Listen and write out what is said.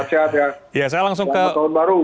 sehat sehat ya selamat tahun baru